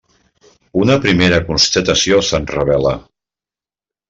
Una primera constatació se'ns revela.